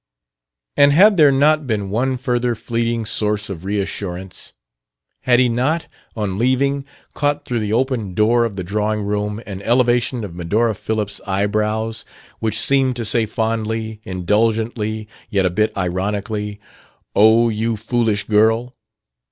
And had there not been one further fleeting source of reassurance? Had he not, on leaving, caught through the open door of the drawing room an elevation of Medora Phillips' eyebrows which seemed to say fondly, indulgently, yet a bit ironically, "Oh, you foolish girl!"?